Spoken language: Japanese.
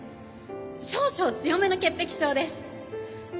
少々強めの潔癖症です。